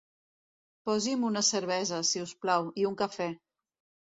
Posi'm una cervesa, si us plau, i un cafè.